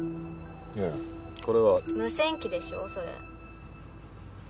いやいやこれは無線機でしょそれ